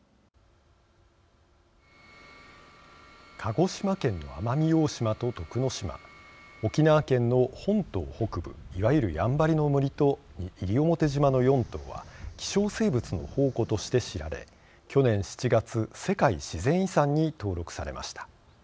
鹿児島県の奄美大島と徳之島沖縄県の本島北部、いわゆるやんばるの森と西表島の４島は希少生物の宝庫として知られ去年７月世界自然遺産に登録されました。